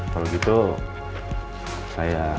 kalau gitu saya